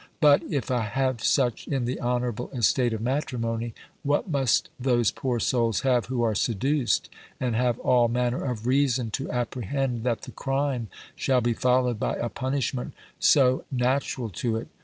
But, if I have such in the honourable estate of matrimony, what must those poor souls have, who are seduced, and have all manner of reason to apprehend, that the crime shall be followed by a punishment so natural to it?